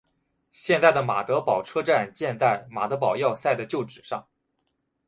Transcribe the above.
现在的马德堡车站建在马德堡要塞的旧址上。